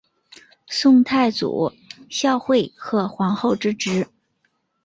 宋太祖孝惠贺皇后之侄。